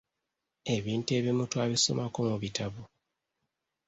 Ebintu ebimu twabisomako mu bitabo.